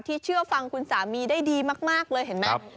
เชื่อฟังคุณสามีได้ดีมากเลยเห็นไหม